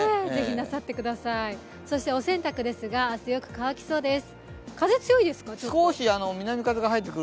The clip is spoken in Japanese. お洗濯ですが、明日、よく乾きそうです。